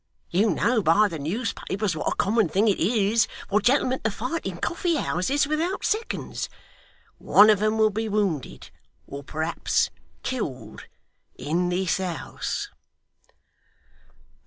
You know by the newspapers what a common thing it is for gentlemen to fight in coffee houses without seconds. One of 'em will be wounded or perhaps killed in this house.